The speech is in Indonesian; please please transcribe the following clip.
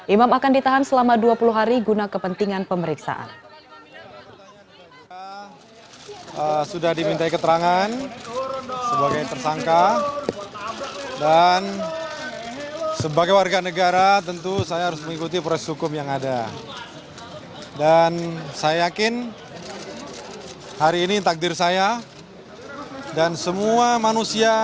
imam akan ditahan selama dua puluh hari guna kepentingan pemeriksaan